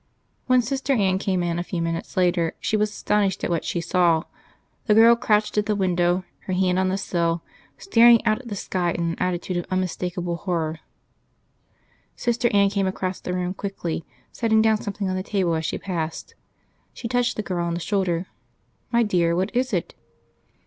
When Sister Anne came in a few minutes later, she was astonished at what she saw. The girl crouched at the window, her hands on the sill, staring out at the sky in an attitude of unmistakable horror. Sister Anne came across the room quickly, setting down something on the table as she passed. She touched the girl on the shoulder. "My dear, what is it?"